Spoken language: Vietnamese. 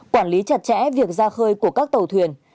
quản lý chặt chẽ việc ra khơi của các tàu thuyền